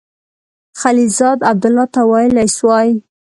خلیلزاد عبدالله ته ویلای سوای.